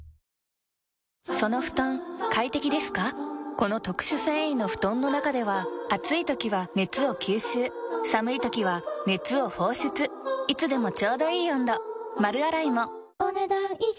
この特殊繊維の布団の中では暑い時は熱を吸収寒い時は熱を放出いつでもちょうどいい温度丸洗いもお、ねだん以上。